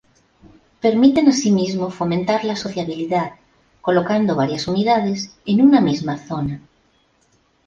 Permiten así mismo fomentar la sociabilidad colocando varias unidades en una misma zona.